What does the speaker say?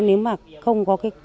nếu mà không có